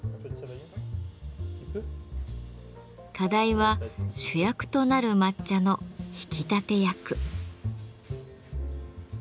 課題は主役となる抹茶の引き立て役。